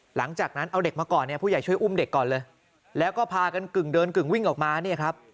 หลังจากนั้นเอาเด็กมาก่อนเนี่ยผู้ใหญ่ช่วยอุ้มเด็กก่อนเลยแล้วก็พากันกึ่งเดินกึ่งวิ่งออกมาเนี่ยครับ